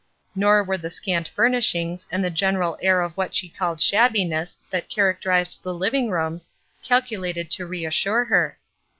Nor were the scant furnishings, and the general air of what she called shabbiness that characterized the living rooms, calculated to reassure her.